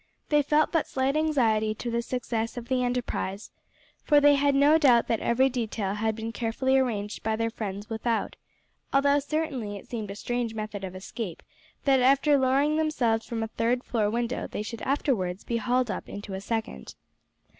They felt but slight anxiety as to the success of the enterprise, for they had no doubt that every detail had been carefully arranged by their friends without, although certainly it seemed a strange method of escape that after lowering themselves from a third floor window they should afterwards be hauled up into a second.